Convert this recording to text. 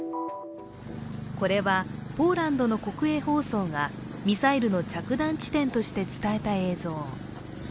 これは、ポーランドの国営放送がミサイルの着弾地点として撮影した映像。